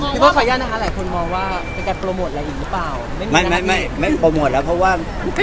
พี่ก็ขออนุญาตนะคะหลายคนมองว่า